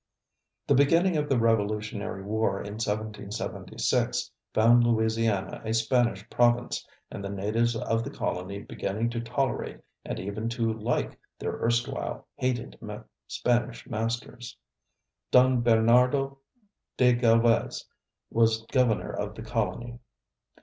The beginning of the Revolutionary war in 1776 found Louisiana a Spanish province and the natives of the colony beginning to tolerate and even to like their erstwhile hated Spanish masters. Don Bernardo de Galvez was governor of the colony.